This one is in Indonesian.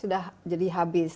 sudah jadi habis